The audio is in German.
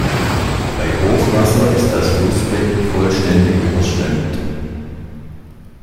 Bei Hochwasser ist das Flussbett vollständig überschwemmt.